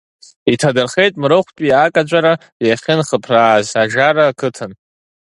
Иҭадырхеит Марыхәтәи акаҵәара иахьынхыԥрааз, Ажара ақыҭан.